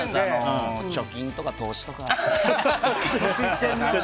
貯金とか投資とか。